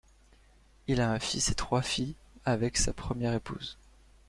Il a un fils et trois filles avec sa première épouse.